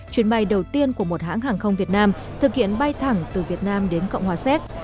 chuyến bay đầu tiên của một hãng hàng không việt nam thực hiện bay thẳng từ việt nam đến cộng hòa séc